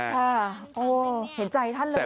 ค่ะโอ้เห็นใจท่านเลย